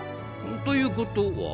ということは？